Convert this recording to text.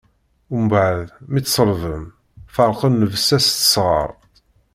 Mbeɛd mi t-ṣellben, ferqen llebsa-s s tesɣart.